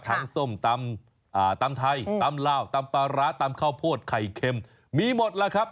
ส้มตำตำไทยตำลาวตำปลาร้าตำข้าวโพดไข่เค็มมีหมดแล้วครับ